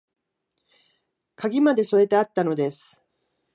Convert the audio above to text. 鍵まで添えてあったのです